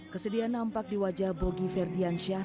kesedihan nampak di wajah bogi ferdiansyah